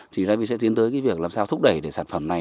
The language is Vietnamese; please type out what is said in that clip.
thì ravi sẽ tiến tới việc làm sao thúc đẩy sản phẩm này